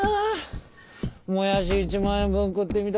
「もやし１万円分食ってみた」